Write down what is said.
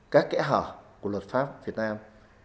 các kẻ hở của luật pháp việt nam